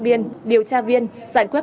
biên điều tra viên giải quyết